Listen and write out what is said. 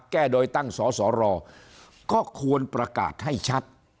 แก้โดยตั้งสอสอรอก็ควรประกาศให้ชัด